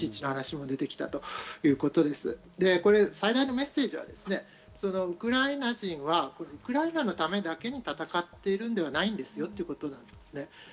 ９．１１の話も出てきたということで最大のメッセージはウクライナ人はウクライナのためだけに戦っているのではないんですよということなんですね。